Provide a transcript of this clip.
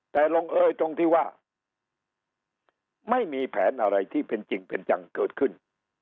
แต่ลงเอยตรงที่ว่าไม่มีแผนอะไรที่เป็นจริงเป็นจังเกิดขึ้น